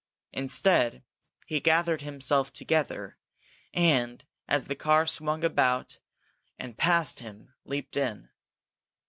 Instead, he gathered himself together and, as the car swung about and passed him, leaped in.